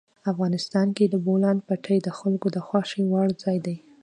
افغانستان کې د بولان پټي د خلکو د خوښې وړ ځای دی.